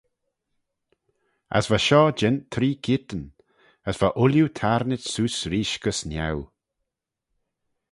As va shoh jeant three keayrtyn: as va ooilley tayrnit seose reesht gys niau.